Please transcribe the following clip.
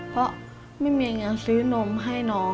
เพราะไม่มีเงินซื้อนมให้น้อง